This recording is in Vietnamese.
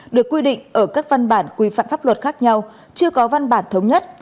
được quy định ở các văn bản quy phạm pháp luật khác nhau chưa có văn bản thống nhất